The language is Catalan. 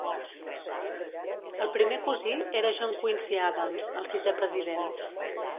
El primer cosí era John Quincy Adams, el sisè president.